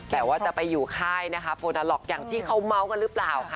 แต่ว่าจะไปอยู่ค่ายนะคะโฟดาล็อกอย่างที่เขาเมาส์กันหรือเปล่าค่ะ